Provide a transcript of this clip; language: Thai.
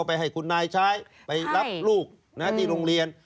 ไปให้คุณนายใช้ไปรับลูกที่โรงเรียน